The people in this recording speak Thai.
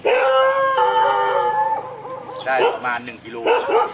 ได้ประมาณ๑กิโลกรัม